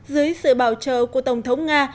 dưới sự bảo trợ của tổng thống nga